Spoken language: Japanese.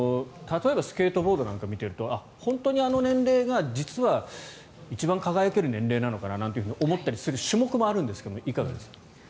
例えばスケートボードなんか見ていると本当にあの年齢が実は一番輝ける年齢なのかなって思ったりする種目もあるんですがいかがですか？